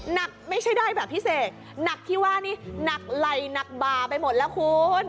หนักไม่ใช่ได้แบบพิเศษหนักที่ว่านี่หนักไหล่หนักบ่าไปหมดแล้วคุณ